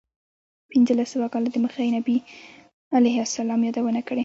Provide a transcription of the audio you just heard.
پنځلس سوه کاله دمخه چې نبي علیه السلام یادونه کړې.